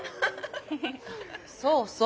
そうそう。